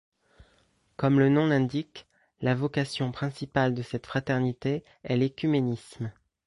Comme le nom l'indique, la vocation principale de cette fraternité est l'œcuménisme.